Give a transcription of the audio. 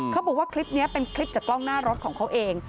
เขาบอกว่าคลิปนี้เป็นคลิปจากกล้องหน้ารถของเขาเอง